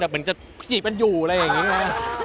เหมือนจะจีบกันอยู่อะไรอย่างนี้ใช่ไหม